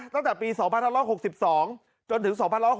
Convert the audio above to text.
ตั้งแต่ปี๒๑๖๒จนถึง๒๖๖